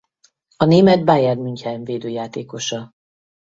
A német Bayern München védőjátékosa.